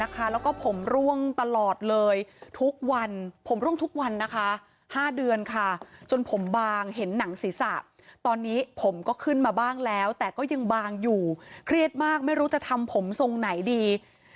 ความสะสะอยู่เครียดมากไม่รู้จะทำผมทรงไหนดี